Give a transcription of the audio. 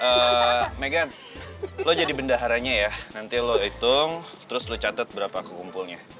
eh meghan lo jadi bendaharanya ya nanti lo hitung terus lo catet berapa aku kumpulnya